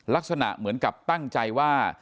ลักษณะเหมือนกับตั้งใจว่า